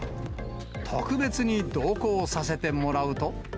特別に同行させてもらうと。